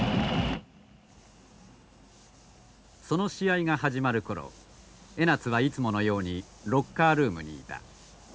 その試合が始まる頃江夏はいつものようにロッカールームにいた。